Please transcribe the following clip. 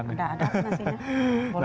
nggak ada nasinya